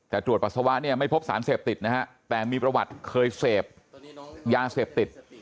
แต่ตรวจปัสสาวะเนี่ยไม่พบสารเสพติดนะฮะแต่มีประวัติเคยเสพยาเสพติด